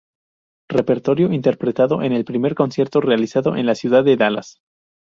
Repertorio interpretado en el primer concierto realizado en la ciudad de Dallas.